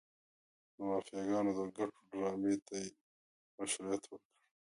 د مافیاګانو د ګټو ډرامې ته یې مشروعیت ورکړ.